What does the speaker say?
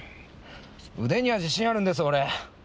腕には自信あるんです俺。